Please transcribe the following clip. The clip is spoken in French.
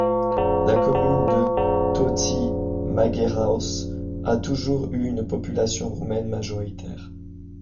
La commune de Tăuții Măgherăuș a toujours eu une population roumaine majoritaire.